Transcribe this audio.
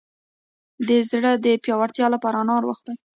د زړه د پیاوړتیا لپاره انار وخورئ